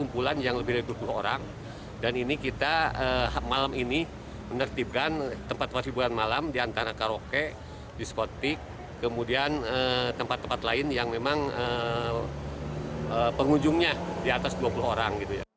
pengunjungnya di atas dua puluh orang